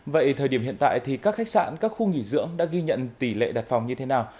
vậy thời điểm hiện tại thì các khách sạn các khu nghỉ dưỡng đã ghi nhận tỷ lệ đặt phòng như thế nào